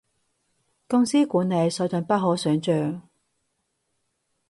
公司管理，水準不可想像